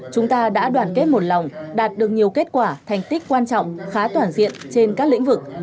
chúng ta đã đoàn kết một lòng đạt được nhiều kết quả thành tích quan trọng khá toàn diện trên các lĩnh vực